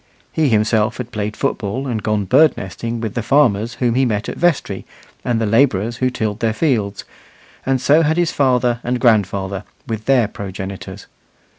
He himself had played football and gone bird nesting with the farmers whom he met at vestry and the labourers who tilled their fields, and so had his father and grandfather, with their progenitors.